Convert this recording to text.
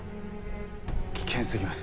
危険すぎます。